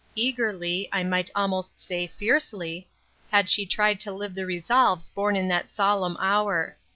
Eagerly, I might almost say fiercely,' had she tried to live the resolves born in that solemn hour.